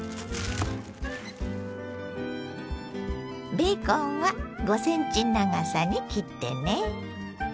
ベーコンは５ｃｍ長さに切ってね。